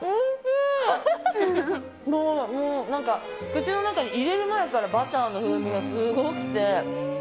口の中に入れる前からバターの風味がすごくて。